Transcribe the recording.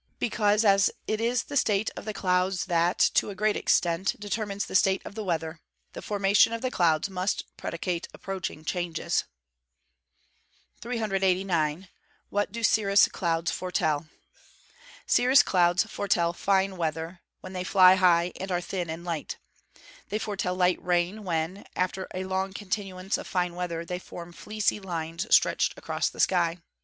_ Because, as it is the state of the clouds that, to a great extent, determines the state of the weather, the formation of the clouds must predicate approaching changes. 389. What do cirrus clouds foretell? Cirrus clouds foretell fine weather, when they fly high, and are thin and light. They foretell light rain when, after a long continuance of fine weather, they form fleecy lines stretched across the sky.